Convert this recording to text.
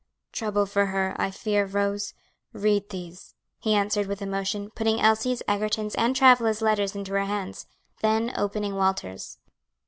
"Trouble for her, I fear, Rose. Read these," he answered with emotion, putting Elsie's, Egerton's, and Travilla's letters into her hands, then opening Walter's.